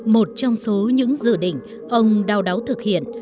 một trong số những dự định ông đau đáu thực hiện